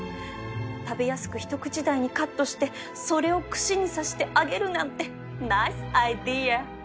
食べやすく一口大にカットしてそれを串に刺して揚げるなんてナイスアイデア！